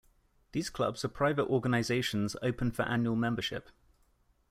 These clubs are private organisations open for annual membership.